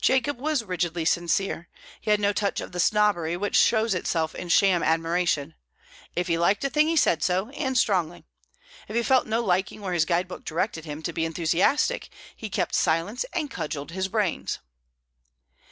Jacob was rigidly sincere; he had no touch of the snobbery which shows itself in sham admiration. If he liked a thing he said so, and strongly; if he felt no liking where his guide book directed him to be enthusiastic, he kept silence and cudgelled his brains.